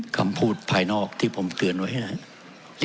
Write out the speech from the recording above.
คำพูดภายนอกที่ผมเตือนไว้นะครับ